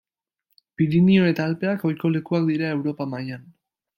Pirinio eta Alpeak ohiko lekuak dira Europa mailan.